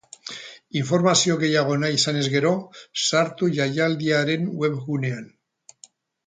Informazio gehiago nahi izanez gero, sartu jaialdiaren web gunean.